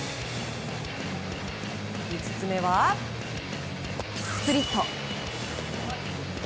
５つ目は、スプリット！